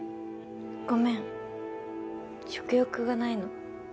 ごめん食欲がないの。